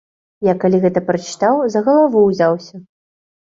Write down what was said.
Я калі гэта прачытаў, за галаву ўзяўся.